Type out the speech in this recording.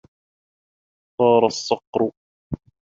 طَارَ الصَّقْرُ.